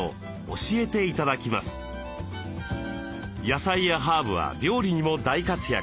野菜やハーブは料理にも大活躍。